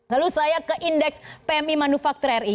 lalu saya ke indeks pmi manufaktur ri